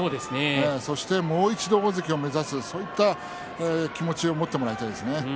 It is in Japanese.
そしてもう一度、大関を目指すそういった気持ちを持ってもらいたいです。